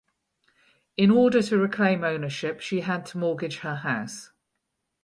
In order to reclaim ownership she had to mortgage her house.